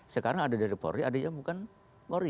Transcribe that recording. sekarang ada dari polri ada yang bukan polri